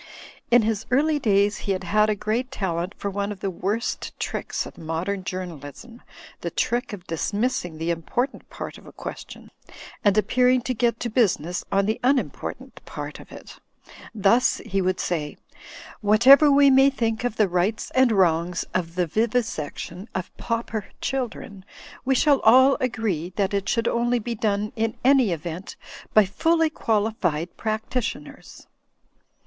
In his early days he had had a great talent for one of the worst tricks of modem journalism, the trick of dismissing the important part of a question as if it could wait, and appearing to get to business on the unimportant part of it. Thus, he would say, ^'Whatever we may think of the rights and wrongs of the vivisection of pauper children, we shall all agree that it should only be done, in any event, by fully quali fied practitioners."